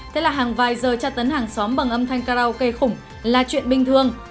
thế là hàng vài giờ tra tấn hàng xóm bằng âm thanh karaoke khủng là chuyện bình thường